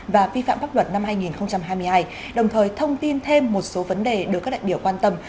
và vi phạm pháp luật năm hai nghìn hai mươi hai đồng thời thông tin thêm một số vấn đề được các đại biểu quan tâm